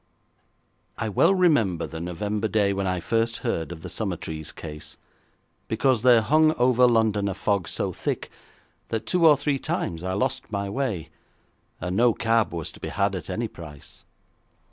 I well remember the November day when I first heard of the Summertrees case, because there hung over London a fog so thick that two or three times I lost my way, and no cab was to be had at any price.